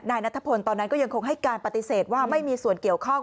นายนัทพลตอนนั้นก็ยังคงให้การปฏิเสธว่าไม่มีส่วนเกี่ยวข้อง